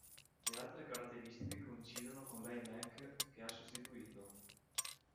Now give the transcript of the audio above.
Le altre caratteristiche coincidono con l'iMac che ha sostituito.